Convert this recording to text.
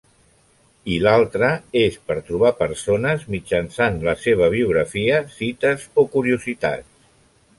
I l’altre és per trobar persones mitjançant la seva biografia, cites o curiositats.